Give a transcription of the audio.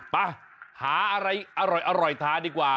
ไปหาอะไรอร่อยทานดีกว่า